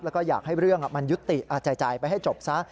แล้วก็อยากให้เรื่องมันยุติจ่ายไปให้จบซะ